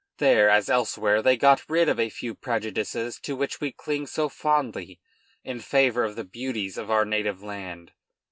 There, as elsewhere, they got rid of a few prejudices to which we cling so fondly in favor of the beauties of our native land.